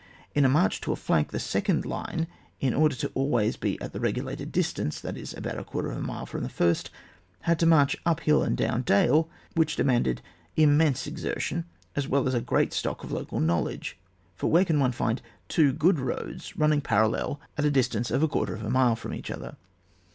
In a march to a flank, the second line, in order to be always at the regulated distance, that is about a quarter of a mile from the first, had to march up hill and down dale, which demanded immense ex ertion, as well as a great stock of local knowledge ; for where can one find two good roads running parallel at a distance of a quarter of a mile from each other